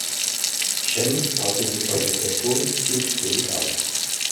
Schemm baute die Organisation zielstrebig auf.